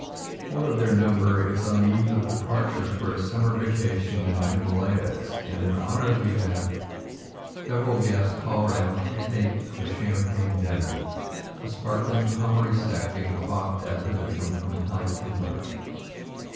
One of their number is on the eve of departure for his summer vacation in the Himalayas and, in honor of the event, several guests call round to partake of a champagne dinner, the sparkling Pommery Sec being quaffed ad libitum from pint tumblers.